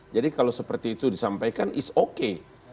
jadi kalau seperti itu disampaikan is okay